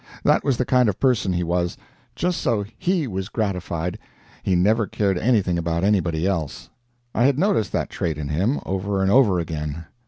That was the kind of person he was; just so HE was gratified, he never cared anything about anybody else. I had noticed that trait in him, over and over again.